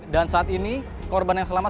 dan saat ini korban yang selamat